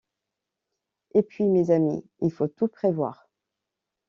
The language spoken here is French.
Et puis, mes amis, il faut tout prévoir.